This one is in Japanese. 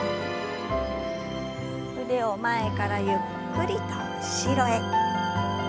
腕を前からゆっくりと後ろへ。